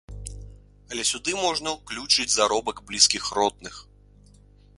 Але сюды можна ўключыць заробак блізкіх родных.